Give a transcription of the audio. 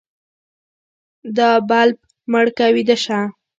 دا بلپ مړ که ويده شه.